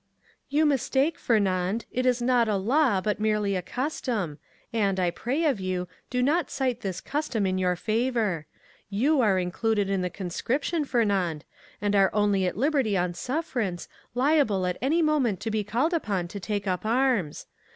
0045m "You mistake, Fernand; it is not a law, but merely a custom, and, I pray of you, do not cite this custom in your favor. You are included in the conscription, Fernand, and are only at liberty on sufferance, liable at any moment to be called upon to take up arms.